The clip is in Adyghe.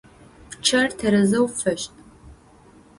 Пчъэр тэрэзэу фэшӀ!